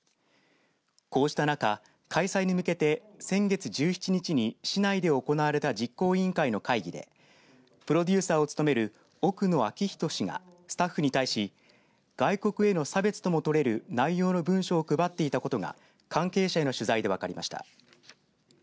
こうした中、開催に向けて先月１７日に市内で行われた実行委員会の会議でプロデューサーを務める奥野晃士氏がスタッフに対し外国への差別ともとれる内容の文書を配っていたことが関係者への取材で分かりました。